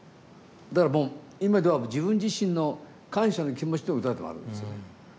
だから今では自分自身の感謝の気持ちの歌でもあるんですよね。